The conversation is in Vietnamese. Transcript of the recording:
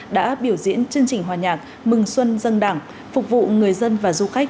đã biểu diễn chương trình hòa nhạc mừng xuân dân đảng phục vụ người dân và du khách